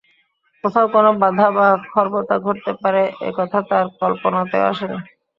কোথাও কোনো বাধা বা খর্বতা ঘটতে পারে এ কথা তার কল্পনাতেই আসে নি।